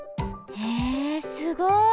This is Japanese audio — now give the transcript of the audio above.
へえすごい！